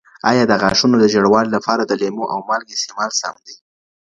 ایا د غاښونو د ژړوالي لپاره د لیمو او مالګي استعمال سم دی؟